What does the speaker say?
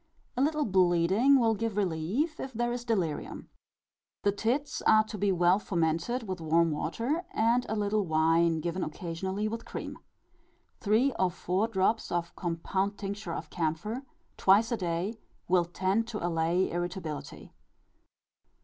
A little bleeding will give relief if there is delirium. The tits are to be well fomented with warm water, and a little wine given occasionally, with cream. Three or four drops of compound tincture of camphor, twice a day, will tend to allay irritability.